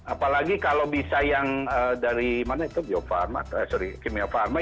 apalagi kalau bisa yang dari kimia pharma